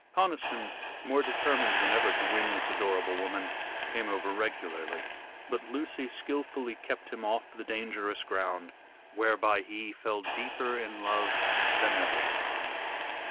Conniston, more determined than ever to win this adorable woman, came over regularly. But Lucy skilfully kept him off the dangerous ground, whereby he fell deeper in love than ever.